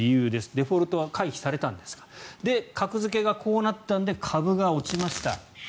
デフォルトは回避されたんですが格付けがこうなったので株が落ちました。